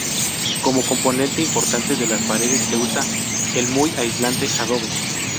Como componente importante de las paredes se usa el muy aislante adobe.